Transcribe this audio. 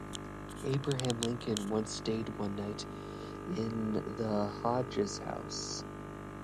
Abraham Lincoln once stayed one night in the Hodges House.